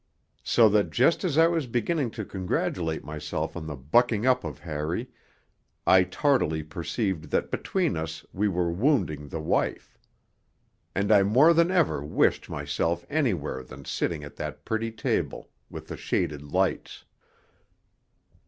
So that just as I was beginning to congratulate myself on the bucking up of Harry, I tardily perceived that between us we were wounding the wife. And I more than ever wished myself anywhere than sitting at that pretty table with the shaded lights.